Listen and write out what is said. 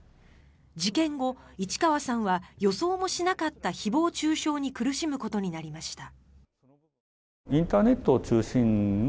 事件後、市川さんは予想もしなかった誹謗・中傷に苦しむことになりました。